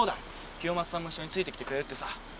清正さんも一緒についてきてくれるってさ。